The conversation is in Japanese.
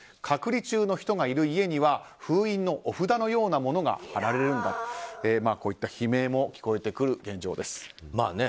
隔離中の人がいる家には封印のお札のようなものが貼られるんだとこういった悲鳴も聞こえてくる現状です。